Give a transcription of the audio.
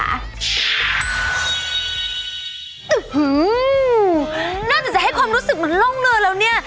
อื้อหือน่าจะจะให้ความรู้สึกมันล่องเรือแล้วเนี่ย